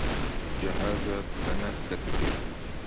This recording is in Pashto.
جهازه پښه نه ښکته کوي.